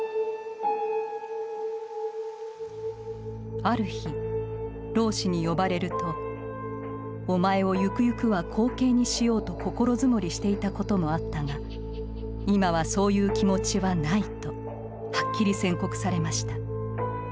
ある日老師に呼ばれると「お前をゆくゆくは後継にしようと心積もりしていたこともあったが今はそういう気持ちはない」とはっきり宣告されました。